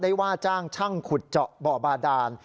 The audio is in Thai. ว่าจ้างช่างขุดเจาะบ่อบาดาน